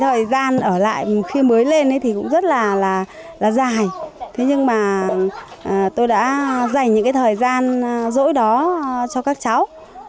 thời gian ở lại khi mới lên thì cũng rất là dài thế nhưng mà tôi đã dành những cái thời gian dỗi đó cho các cháu